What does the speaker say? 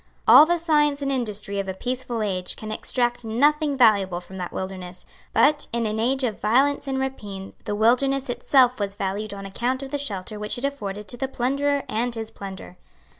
All the science and industry of a peaceful age can extract nothing valuable from that wilderness; but, in an age of violence and rapine, the wilderness itself was valued on account of the shelter which it afforded to the plunderer and his plunder.